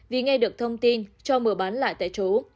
vì nghe được thông tin cho mở bán lại tại chỗ